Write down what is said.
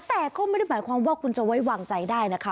แต่ก็ไม่ได้หมายความว่าคุณจะไว้วางใจได้นะคะ